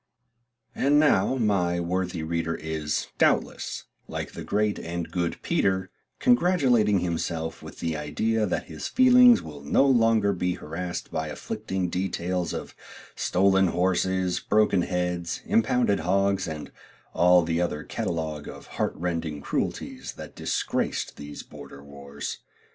And now my worthy reader is, doubtless, like the great and good Peter, congratulating himself with the idea that his feelings will no longer be harassed by afflicting details of stolen horses, broken heads, impounded hogs, and all the other catalogue of heart rending cruelties that disgraced these border wars.